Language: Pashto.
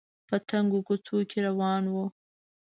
په تنګو کوڅو کې روان و